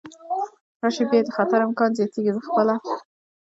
راشي، بیا د خطر امکانات زیاتېږي، زه خپله.